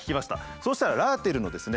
そうしたらラーテルのですね